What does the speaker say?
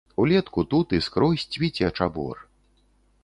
Улетку тут і скрозь цвіце чабор.